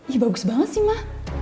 iya bagus banget sih ma